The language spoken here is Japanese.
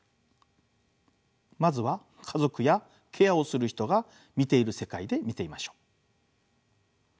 まずは家族やケアをする人が見ている世界で見てみましょう。